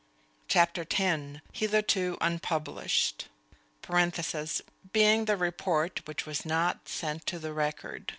CHAPTER X "HITHERTO UNPUBLISHED" (_Being the report which was not sent to the Record.